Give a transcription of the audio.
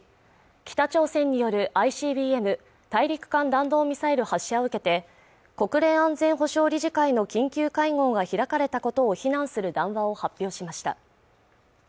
北朝鮮によるＩＣＢＭ＝大陸間弾道ミサイル発射を受けて国連安全保障理事会の緊急会合が開かれたことを非難する談話を発表しました